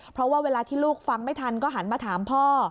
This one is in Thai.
เพราะว่าเวลาที่ลูกฟังไม่ทันก็หันมาถามพ่อ